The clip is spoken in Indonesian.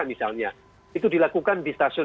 misalnya itu dilakukan di stasiun